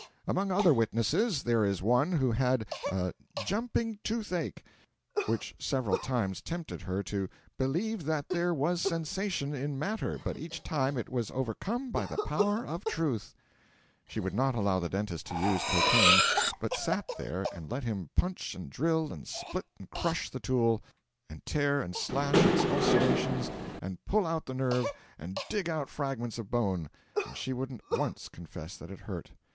Among other witnesses, there is one who had a 'jumping toothache,' which several times tempted her to 'believe that there was sensation in matter, but each time it was overcome by the power of Truth.' She would not allow the dentist to use cocaine, but sat there and let him punch and drill and split and crush the tooth, and tear and slash its ulcerations, and pull out the nerve, and dig out fragments of bone; and she wouldn't once confess that it hurt.